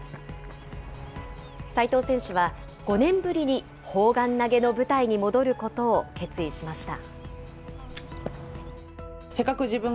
齋藤選手は、５年ぶりに、砲丸投げの舞台に戻ることを決意しました。